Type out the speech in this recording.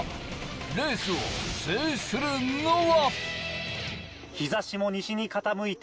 レースを制するのは？